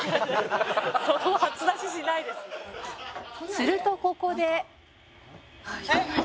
「するとここで」